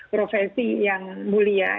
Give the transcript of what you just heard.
profesi yang mulia